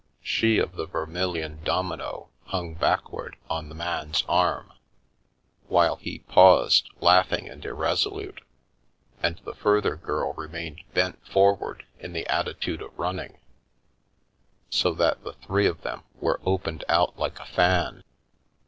She of the vermilion domino hung backward on the man's arm, while he paused, laughing and irresolute, and the further girl remained bent for ward in the attitude of running, so that the three of them were opened out like a fan.